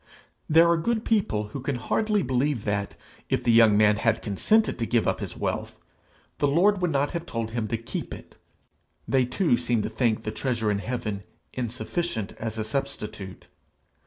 There are good people who can hardly believe that, if the young man had consented to give up his wealth, the Lord would not then have told him to keep it; they too seem to think the treasure in heaven insufficient as a substitute.